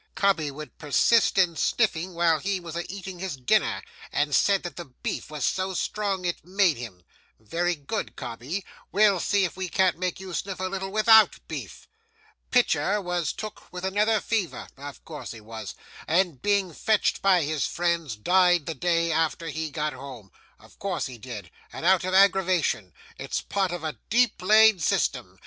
"Cobbey would persist in sniffing while he was a eating his dinner, and said that the beef was so strong it made him." Very good, Cobbey, we'll see if we can't make you sniff a little without beef. "Pitcher was took with another fever," of course he was "and being fetched by his friends, died the day after he got home," of course he did, and out of aggravation; it's part of a deep laid system.